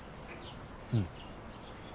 うん。